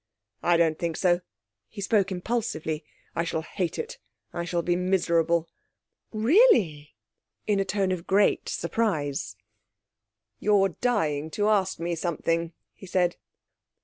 'I don't think so.' He spoke impulsively. 'I shall hate it; I shall be miserable.' 'Really!' in a tone of great surprise. 'You're dying to ask me something,' he said.